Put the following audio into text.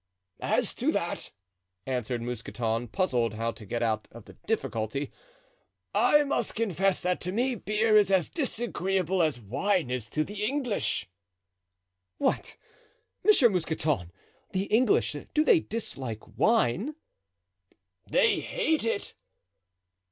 "As to that," answered Mousqueton, puzzled how to get out of the difficulty, "I must confess that to me beer is as disagreeable as wine is to the English." "What! Monsieur Mousqueton! The English—do they dislike wine?" "They hate it."